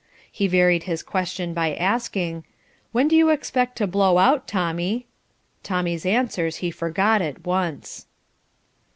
He varied his question by asking "When do you expect to 'blow out' Tommy?" Tommy's answers he forgot at once.